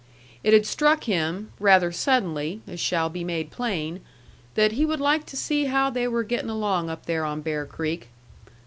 It had struck him rather suddenly, as shall be made plain that he should like to see how they were getting along up there on Bear Creek.